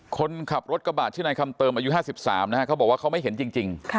คนขับรถกระบะชื่อนายคำเติมอายุ๕๓นะฮะเขาบอกว่าเขาไม่เห็นจริง